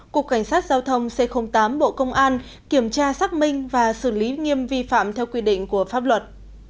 cục cảnh sát giao thông c tám bộ công an kiểm tra xác minh và xử lý nghiêm vi phạm theo quy định của pháp luật